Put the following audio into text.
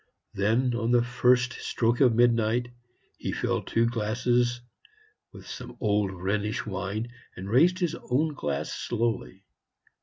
Then, on the first stroke of midnight, he filled two glasses with some old Rhenish wine, and raised his own glass slowly.